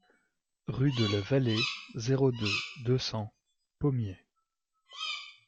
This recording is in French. Rue de la Vallée, zéro deux, deux cents Pommiers